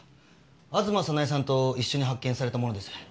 吾妻早苗さんと一緒に発見されたものです。